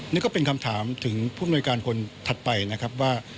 นี่ก็เป็นคำถามถึงผู้อำนวยการคนถัดไปนะครับว่า